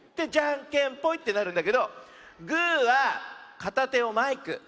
「じゃんけんぽい！」ってなるんだけどグーはかたてをマイク。